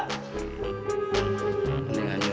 udah kamu dikeluarkan